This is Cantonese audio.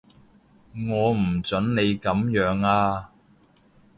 我唔準你噉樣啊